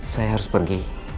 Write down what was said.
saya harus pergi